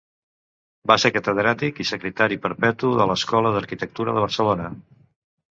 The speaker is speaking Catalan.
Va ser catedràtic i secretari perpetu de l'Escola d'Arquitectura de Barcelona.